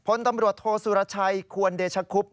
พลตำรวจโทษสุรชัยควรเดชคุบ